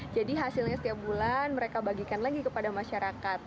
jadi hasilnya setiap bulan mereka bagikan lagi kepada masyarakat